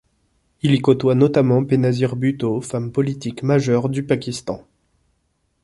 Il y côtoie notamment Benazir Bhutto, femme politique majeure du Pakistan.